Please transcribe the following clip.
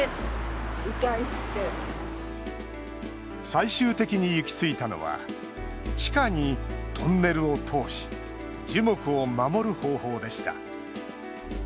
最終的に行き着いたのは地下にトンネルを通し樹木を守る方法でした。